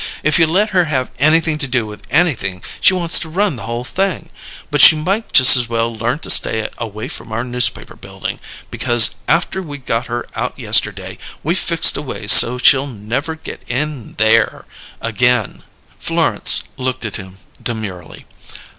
If you let her have anything to do with anything she wants to run the whole thing. But she might just as well learn to stay away from our Newspaper Building, because after we got her out yesterday we fixed a way so's she'll never get in there again!" Florence looked at him demurely.